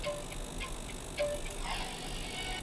په دوبي کي د کومو ناروغیو خطر وي؟